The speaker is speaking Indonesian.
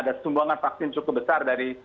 ada sumbangan vaksin cukup besar dari